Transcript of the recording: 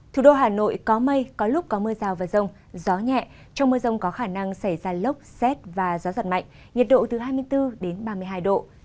thủ đô hà nội có mây có lúc có mưa rào và rông gió nhẹ trong mưa rông có khả năng xảy ra lốc xét và gió giật mạnh nhiệt độ từ hai mươi bốn đến ba mươi hai độ